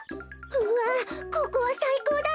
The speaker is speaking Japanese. うわここはさいこうだな。